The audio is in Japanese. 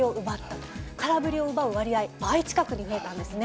空振りを奪う割合倍近くに増えたんですね。